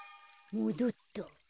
もどった。